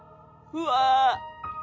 うわ。